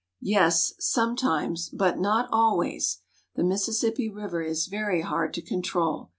Yes ; sometimes, but not always. The Mississippi River is very hard to control.